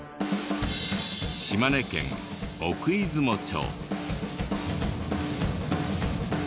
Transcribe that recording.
島根県奥出雲町。